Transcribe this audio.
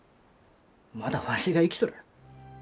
まだわしが生きとる。